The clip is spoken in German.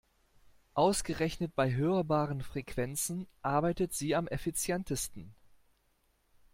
Ausgerechnet bei hörbaren Frequenzen arbeitet sie am effizientesten.